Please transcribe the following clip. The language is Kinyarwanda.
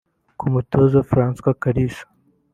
Ku mutoza François Kalisa